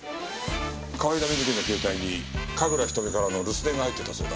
河井田瑞希の携帯に神楽瞳からの留守電が入っていたそうだ。